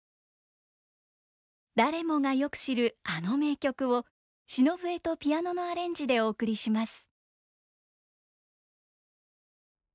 誰もがよく知るあの名曲を篠笛とピアノのアレンジでお送りします。